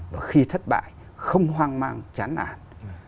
và khi thất bại không hoang mang chán ản